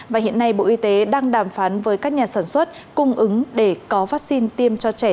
và hiện nay bộ y tế đang đàm phán với các nhà sản xuất cung ứng để có vaccine tiêm cho trẻ